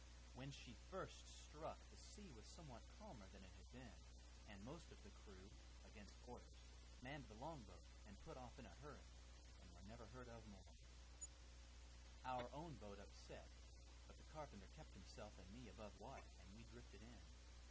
When she first struck, the sea was somewhat calmer than it had been, and most of the crew, against orders, manned the long boat and put off in a hurry, and were never heard of more. Our own boat upset, but the carpenter kept himself and me above water, and we drifted in.